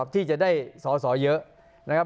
ที่จะสอสอเยอะ